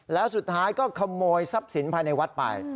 แล้วสุดท้ายก็ขโมยทรัพย์สินภายในวัดไป